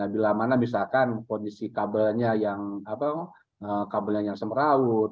bila mana misalkan kondisi kabelnya yang semeraut